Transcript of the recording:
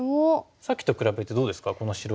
さっきと比べてどうですかこの白石。